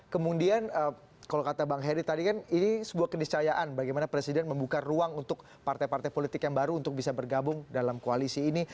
kemudian kalau kata bang heri tadi kan ini sebuah keniscayaan bagaimana presiden membuka ruang untuk partai partai politik yang baru untuk bisa bergabung dalam koalisi ini